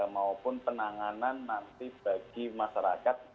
maupun penanganan nanti bagi masyarakat